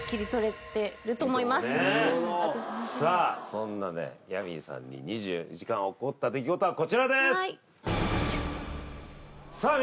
そんなねギャビーさんに２４時間起こった出来事はこちらですさあ